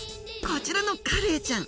こちらのカレイちゃん